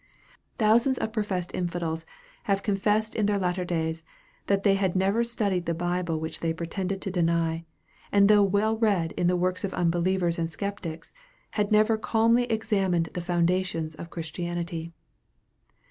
Thousands of professed infidels have con fessed in their latter days that they had never studied the Bible which they pretended to deny, and though well read in the works of unbelievers and sceptics, had never calmly examined the foundations of Christianity.